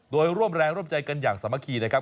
โดยร่วมแรงร่วมใจกันอย่างสามัคคีนะครับ